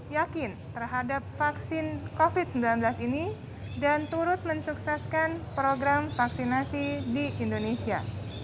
yakin terhadap vaksin covid sembilan belas ini dan turut mensukseskan program vaksinasi di indonesia